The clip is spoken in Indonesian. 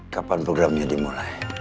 kapan programnya dimulai